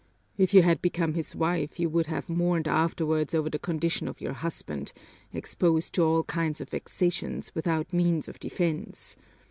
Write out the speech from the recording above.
If you had become his wife you would have mourned afterwards over the condition of your husband, exposed to all kinds of vexations without means of defense.